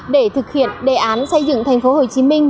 để thực hiện đề án xây dựng thành phố hồ chí minh